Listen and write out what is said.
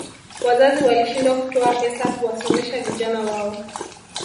wazazi walishindwa kutoa pesa kuwasomesha vijana wao